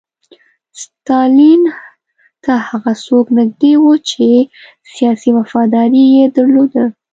ستالین ته هغه څوک نږدې وو چې سیاسي وفاداري یې درلوده